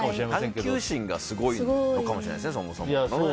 探求心がすごいのかもしれないですね。